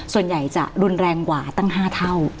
ส่วนใหญ่จะรุนแรงกว่าตั้ง๕เท่า